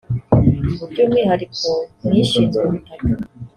by’umwihariko mu ishinzwe ubutaka